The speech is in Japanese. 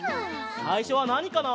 さいしょはなにかな？